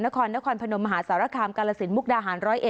นครนครพนมหาสารคามกาลสินมุกดาหาร๑๐๑